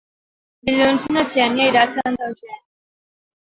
Dilluns na Xènia irà a Santa Eugènia.